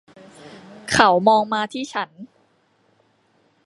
เขามองมาที่ฉัน.